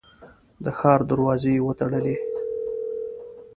د ښار دروازې یې وتړلې.